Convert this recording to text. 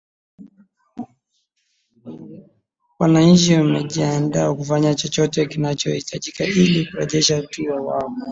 wananchi wamejiandaa kufanya chochote kinachohitajika ili kurejesha utu wao.